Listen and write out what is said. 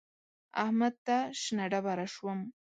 احمد ته شنه ډبره شوم.